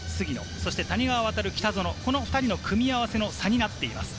そして谷川航、北園、この２人の組み合わせの差になっています。